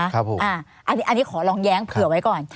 อันนี้ขอลองแย้งเผื่อไว้ก่อน